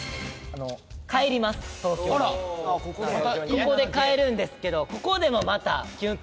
ここで帰るんですけどここでも。